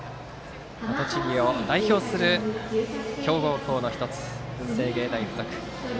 栃木を代表する強豪校の１つ文星芸大付属。